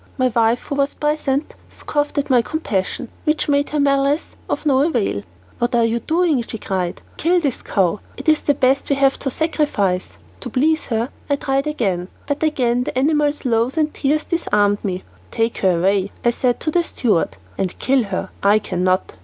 My wife, who was present, scoffed at my compassion, which made her malice of no avail. "What are you doing?" she cried. "Kill this cow. It is the best we have to sacrifice." To please her, I tried again, but again the animal's lows and tears disarmed me. "Take her away," I said to the steward, "and kill her; I cannot."